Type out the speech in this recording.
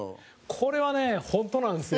これはね、本当なんですよ。